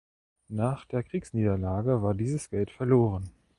Nach der Kriegsniederlage war dieses Geld verloren.